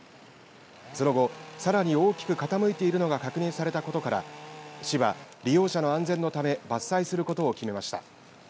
その後、さらに大きく傾いてるのが確認されたことから市は利用者の安全のため伐採することを決めました。